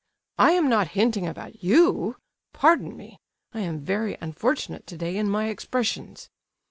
I am not hinting about you; pardon me! I am very unfortunate today in my expressions."